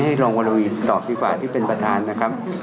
ให้ลองวรวีตอบดีกว่าที่เป็นปฐานนะครับ